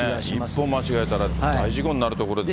一歩間違えたら大事故になるところでした。